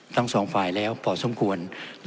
ทั้งสองฝ่ายแล้วพอสมควร